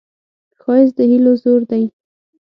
ښایست د هیلو زور دی